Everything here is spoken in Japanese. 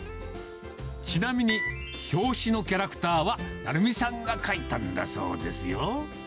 ちなみに、表紙のキャラクターは成美さんが描いたんだそうですよ。